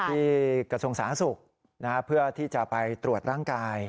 ที่กระทรวงสร้างศึกนะฮะเพื่อที่จะไปตรวจร่างกาย